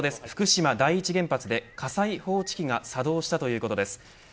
福島第一原発で火災報知器が作動したということです。